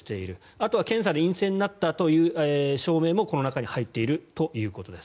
あとは検査で陰性になったという証明もこの中に入っているということです。